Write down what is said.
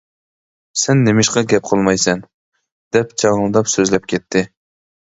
-سەن نېمىشقا گەپ قىلمايسەن؟ -دەپ چاڭىلداپ سۆزلەپ كەتتى.